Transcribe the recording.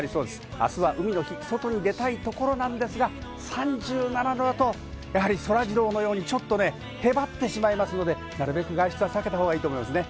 あすは海の日、外に出たいところなんですが、３７度だとやはりそらジローのようにちょっとね、へばってしまいますので、なるべく外出は避けた方がいいと思いますね。